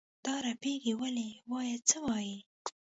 دا رپېږې ولې؟ وایه څه وایې؟